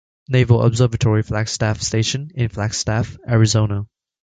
Naval Observatory Flagstaff Station in Flagstaff, Arizona.